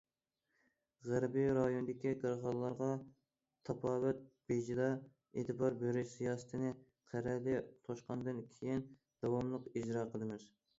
غەربىي رايوندىكى كارخانىلارغا تاپاۋەت بېجىدا ئېتىبار بېرىش سىياسىتىنى قەرەلى توشقاندىن كېيىن داۋاملىق ئىجرا قىلىمىز.